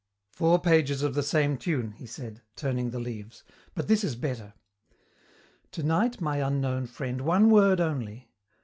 "Four pages of the same tune," he said, turning the leaves, "but this is better: "'Tonight, my unknown friend, one word only.